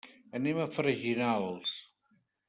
Anem a Freginals.